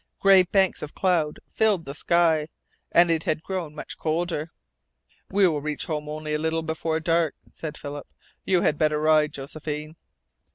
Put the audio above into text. Gray banks of cloud filled the sky, and it had grown much colder. "We will reach home only a little before dark," said Philip. "You had better ride, Josephine."